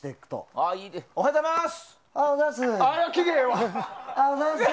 あ、おはようございます。